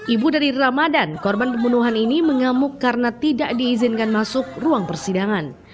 ibu dari ramadan korban pembunuhan ini mengamuk karena tidak diizinkan masuk ruang persidangan